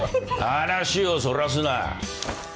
話をそらすな。